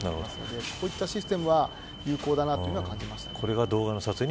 こういうシステムは有効だと感じました。